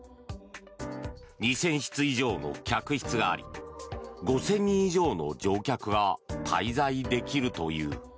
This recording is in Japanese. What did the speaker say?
２０００室以上の客室があり５０００人以上の乗客が滞在できるという。